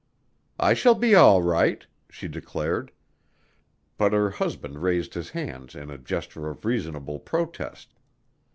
"I shall be all right," she declared, but her husband raised his hands in a gesture of reasonable protest.